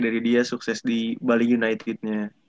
dari dia sukses di bali united nya